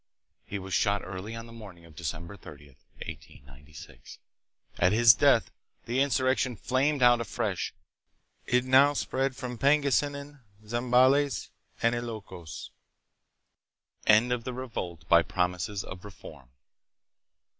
He was shot early on the morning of December 30, 1896. 1 At his death the insurrection flamed out afresh. It now spread to Pangasinan, Zambales, and Ilokos. End of the Revolt by Promises of Reform.